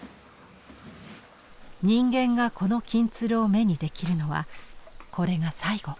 人間がこの金鶴を目にできるのはこれが最後。